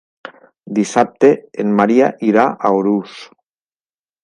Dissabte en Maria irà a Urús.